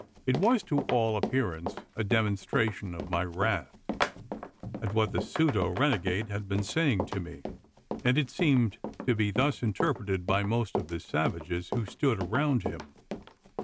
It was, to all appearance, a demonstration of my wrath, at what the pseudo renegade had been saying to me; and it seemed to be thus interpreted by most of the savages who stood around him.